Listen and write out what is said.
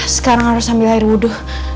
sekarang harus ambil air wudhu